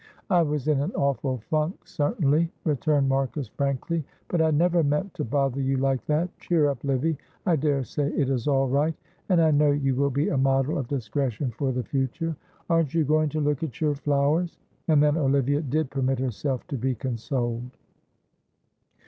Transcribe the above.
"I was in an awful funk, certainly," returned Marcus, frankly, "but I never meant to bother you like that. Cheer up, Livy, I daresay it is all right, and I know you will be a model of discretion for the future. Aren't you going to look at your flowers?" and then Olivia did permit herself to be consoled.